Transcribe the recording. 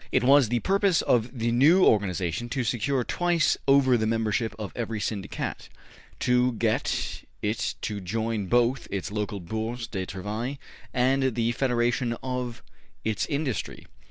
``It was the purpose of the new organization to secure twice over the membership of every syndicat, to get it to join both its local Bourse du Travail and the Federation of its industry.